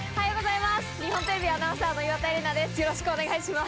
日本テレビアナウンサーの岩田絵里奈です